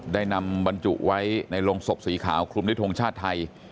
ได้นำบรรจุไว้ในโรงศพสีขาวคลุมด้วยทงชาติไทย